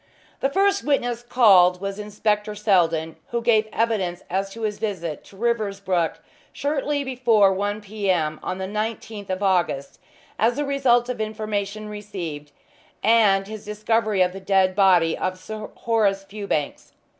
The first witness called was Inspector Seldon, who gave evidence as to his visit to Riversbrook shortly before 1 p. m. on the 19th of August as the result of information received, and his discovery of the dead body of Sir Horace Fewbanks.